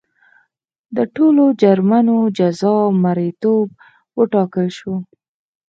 د ټولو جرمونو جزا مریتوب وټاکل شوه.